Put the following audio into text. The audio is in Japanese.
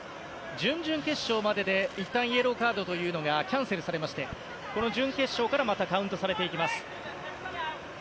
準々決勝までで、いったんイエローカードというのがキャンセルされましてこの準決勝からまたカウントされていきます。